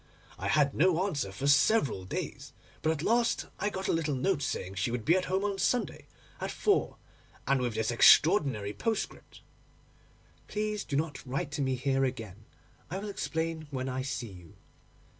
I had no answer for several days, but at last I got a little note saying she would be at home on Sunday at four and with this extraordinary postscript: "Please do not write to me here again; I will explain when I see you."